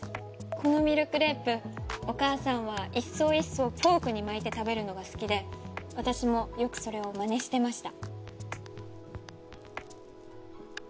このミルクレープお母さんは一層一層フォークに巻いて食べるのが好きで私もよくそれをまねしてました。